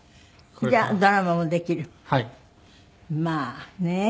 まあねえ。